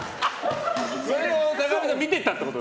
それを坂上さんは見てたってこと？